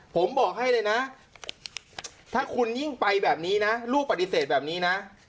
ผมบอกให้เลยนะถ้าคุณยิ่งไปแบบนี้นะลูกปฏิเสธแบบนี้นะ